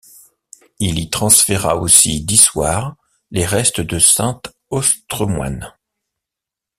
Il y transféra aussi d’Issoire les restes de saint Autstremoine.